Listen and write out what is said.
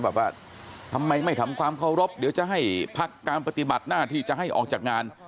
แบบว่าทำไมไม่ทำความเคารพเดี๋ยวจะให้พักการปฏิบัติหน้าที่จะให้ออกจากงาน